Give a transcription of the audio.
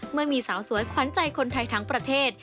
เมื่อมีสาวสวยขวัญใจคนไทยทั้งประเทศ